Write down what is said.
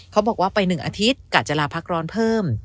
เขาบอกว่าไป๑อาทิตย์กะจะลาพักร้อนเพิ่ม